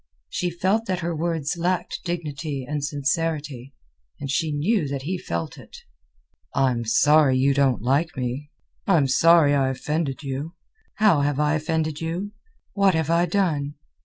She felt that her words lacked dignity and sincerity, and she knew that he felt it. "I'm sorry you don't like me. I'm sorry I offended you. How have I offended you? What have I done?